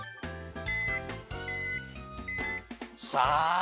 さあ。